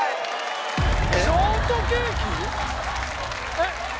えっ！